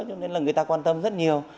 cho nên là người ta quan tâm rất nhiều